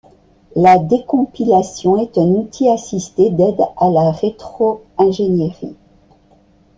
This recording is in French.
La décompilation est un outil assisté d'aide à la rétro-ingénierie.